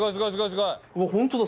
本当だ！